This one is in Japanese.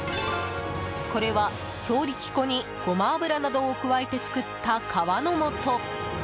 これは強力粉にゴマ油などを加えて作った、皮のもと。